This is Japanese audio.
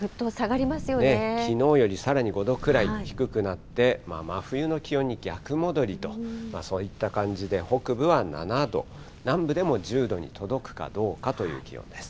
きのうよりさらに５度くらい低くなって、真冬の気温に逆戻りと、そういった感じで、北部は７度、南部でも１０度に届くかどうかという気温です。